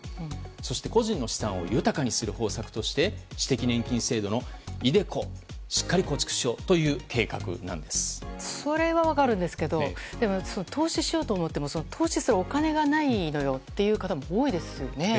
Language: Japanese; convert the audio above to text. そして個人の資産を豊かにする方策として私的年金制度のｉＤｅＣｏをしっかりそれは分かるんですけど投資しようと思っても投資するお金がないのよという方も多いですよね。